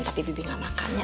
tapi bibi gak makannya